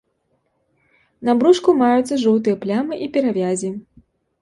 На брушку маюцца жоўтыя плямы і перавязі.